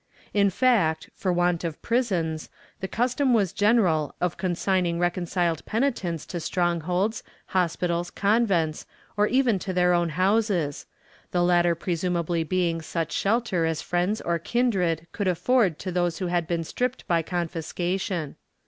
^ In fact, for want of prisons, the custom was general of consigning reconciled penitents to strongholds, hospitals, convents, or even to their own houses — the latter presumably being such shelter as friends or kindred could afford to those who had been stripped by confiscation.